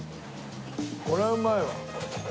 これうまいわ。